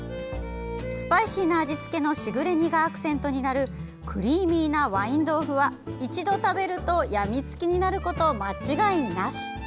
スパイシーな味付きのしぐれ煮がアクセントになるクリーミーなワイン豆腐は一度食べるとやみつきになること間違いなし。